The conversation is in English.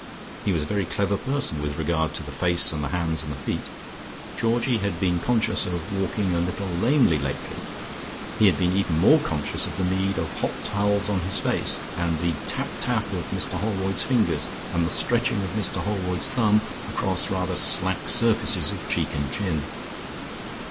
He was a very clever person with regard to the face and the hands and the feet. Georgie had been conscious of walking a little lamely lately; he had been even more conscious of the need of hot towels on his face and the "tap tap" of Mr Holroyd's fingers, and the stretchings of Mr Holroyd's thumb across rather slack surfaces of cheek and chin.